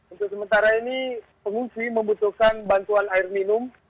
untuk sementara ini pengungsi membutuhkan bantuan air minum